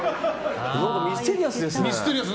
ミステリアスですね。